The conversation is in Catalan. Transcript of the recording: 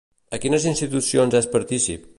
A quines institucions és partícip?